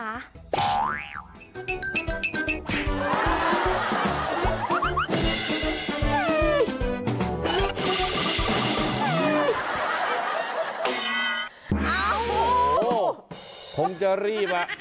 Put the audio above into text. เอ้าโอ้โหคงจะรีบละ